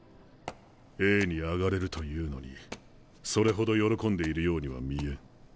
Ａに上がれるというのにそれほど喜んでいるようには見えん。